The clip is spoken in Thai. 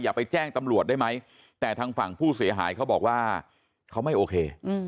ไปแจ้งตำรวจได้ไหมแต่ทางฝั่งผู้เสียหายเขาบอกว่าเขาไม่โอเค